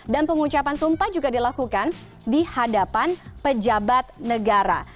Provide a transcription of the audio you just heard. dan pengucapan sumpah juga dilakukan dihadapan pejabat negara